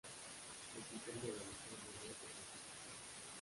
Oficial de la Legión de Honor de Francia.